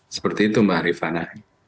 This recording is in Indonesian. seperti itu mbak rifana